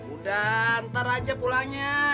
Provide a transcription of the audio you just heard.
udah ntar aja pulangnya